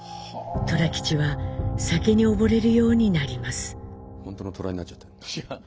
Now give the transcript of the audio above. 寅吉は酒に溺れるようになります。